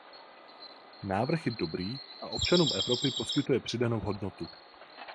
Návrh je dobrý a občanům Evropy poskytuje přidanou hodnotu.